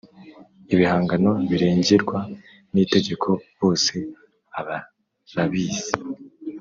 ibihangano birengerwa n itegeko bose abarabizi